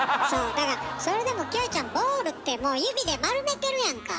それでもキョエちゃん「ボール」ってもう指で丸めてるやんか。